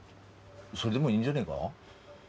それでもいいんじゃねえが？